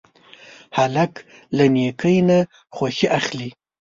هلک له نیکۍ نه خوښي اخلي.